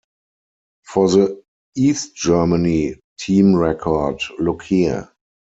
For the East Germany team record, look here.